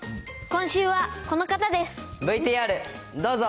今週はこの方です。